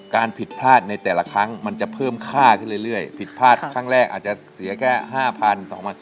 การผิดพลาดในแต่ละครั้งมันจะเพิ่มค่าขึ้นเรื่อยผิดพลาดครั้งแรกอาจจะเสียแค่๕๐๐